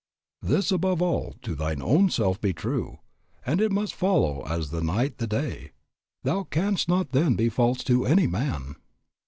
"This above all, to thine own self be true; And it must follow, as the night the day, Thou canst not then be false to any man."